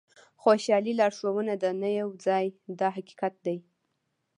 خوشالي لارښوونه ده نه یو ځای دا حقیقت دی.